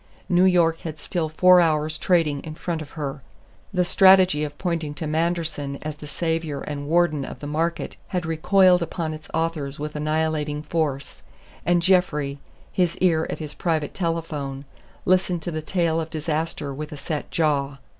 New York had still four hours' trading in front of her. The strategy of pointing to Manderson as the savior and warden of the market had recoiled upon its authors with annihilating force, and Jeffrey, his ear at his private telephone, listened to the tale of disaster with a set jaw.